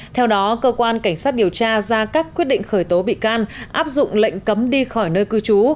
theo đó cơ quan cảnh sát điều tra ra các quyết định khởi tố bị can áp dụng lệnh cấm đi khỏi nơi cư trú